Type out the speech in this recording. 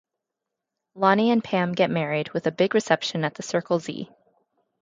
Lonnie and Pam get married, with a big reception at the Circle-Z.